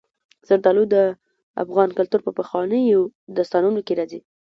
زردالو د افغان کلتور په پخوانیو داستانونو کې راځي.